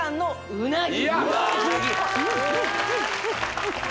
うなぎ！